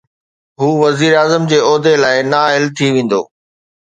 هو وزيراعظم جي عهدي لاءِ نااهل ٿي ويندو.